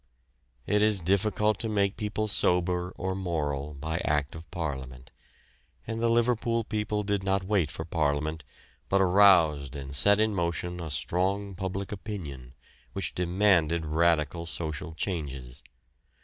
It is difficult to make people sober or moral by act of parliament, and the Liverpool people did not wait for Parliament, but aroused and set in motion a strong public opinion, which demanded radical social changes.